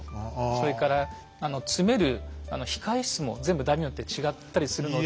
それから詰める控え室も全部大名によって違ったりするので。